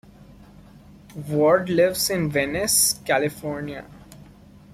Ward lives in Venice, California.